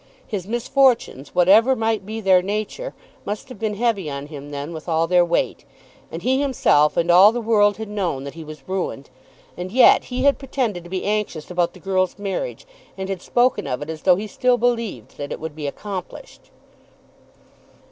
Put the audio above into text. His misfortunes, whatever might be their nature, must have been heavy on him then with all their weight; and he himself and all the world had known that he was ruined. And yet he had pretended to be anxious about the girl's marriage, and had spoken of it as though he still believed that it would be accomplished!